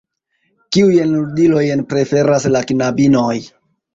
Kiujn ludilojn preferas la knabinoj?